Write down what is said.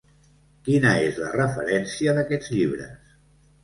Quina és la referència d'aquests llibres?